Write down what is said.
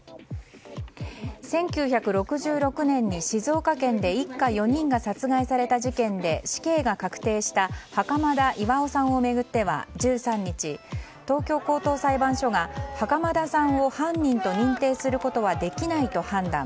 １９６６年に静岡県で一家４人が殺害された事件で死刑が確定した袴田巌さんを巡っては１３日、東京高等裁判所が袴田さんを犯人と認定することはできないと判断。